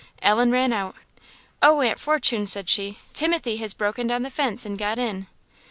Ellen ran out. "Oh, Aunt Fortune," said she "Timothy has broken down the fence, and got in."